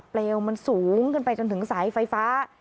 เลวมันสูงขึ้นไปจนถึงสายไฟฟ้า